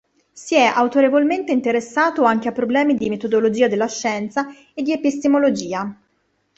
Si è autorevolmente interessato anche a problemi di metodologia della scienza e di epistemologia.